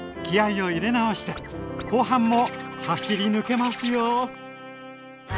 気合いを入れ直して後半も走り抜けますよ！